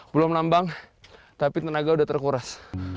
belum nambang tapi tenaga sudah terkuras